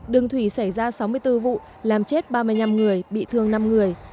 đường thủy xảy ra sáu mươi bốn vụ làm chết ba mươi năm người bị thương năm người